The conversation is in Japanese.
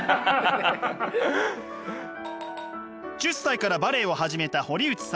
１０歳からバレエを始めた堀内さん。